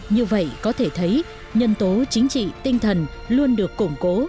như vậy có thể thấy nhân tố chính trị tinh thần luôn được củng cố